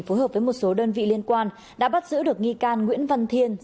phối hợp với một số đơn vị liên quan đã bắt giữ được nghi can nguyễn văn thiên